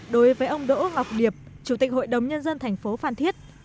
đối với ông đỗ ngọc điệp chủ tịch hội đồng nhân dân thành phố phan thiết